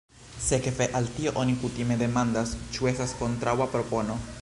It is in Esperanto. Sekve al tio oni kutime demandas, ĉu estas kontraŭa propono.